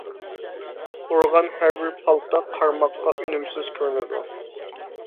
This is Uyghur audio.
ئۇرغان ھەربىر پالتا قارىماققا ئۈنۈمسىز كۆرۈنىدۇ.